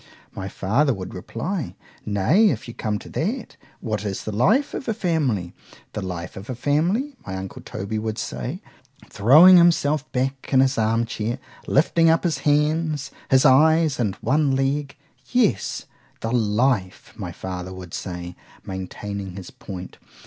my father would reply.——Nay, if you come to that—what is the life of a family?——The life of a family!—my uncle Toby would say, throwing himself back in his arm chair, and lifting up his hands, his eyes, and one leg——Yes, the life,——my father would say, maintaining his point.